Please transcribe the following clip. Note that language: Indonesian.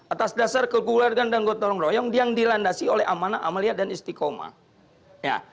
atas dasar keguliran dan gotong royong yang dilandasi oleh amana amalia dan istiqomah